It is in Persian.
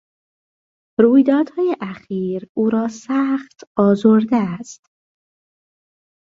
رویدادهای اخیر او را سخت آزرده است.